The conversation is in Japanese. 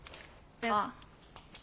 じゃあさ